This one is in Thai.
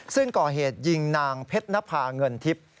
ซึ่งก่อเหตุยิงนางเพชรนภาเงินทิพย์